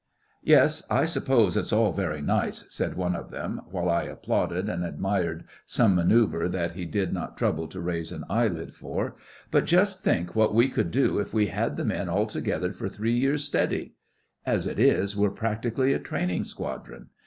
'Yes, I suppose it's all very nice,' said one of them, while I applauded and admired some manœuvre that he did not trouble to raise an eyelid for, 'but just think what we could do if we had the men all together for three years steady! As it is, we're practically a Training Squadron.